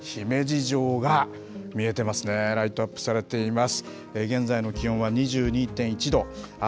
兵庫県姫路市姫路城が見えていますねライトアップされています。